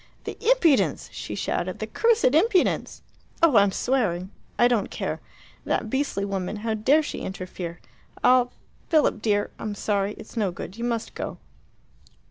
"The impudence!" she shouted. "The cursed impudence! Oh, I'm swearing. I don't care. That beastly woman how dare she interfere I'll Philip, dear, I'm sorry. It's no good. You must go."